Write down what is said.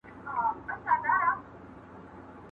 ¬ تقدير په تدبير پوري خاندي.